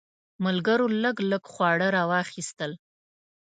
ملګرو لږ لږ خواړه راواخیستل.